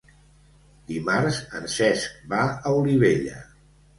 Dimarts en Cesc va a Olivella.